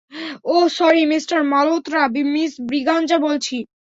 ওহ sorry mister Malhotra miss Braganza বলছি।